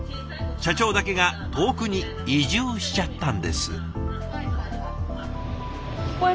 社長だけが遠くに移住しちゃったんです。